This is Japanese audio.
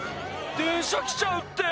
電車来ちゃうって！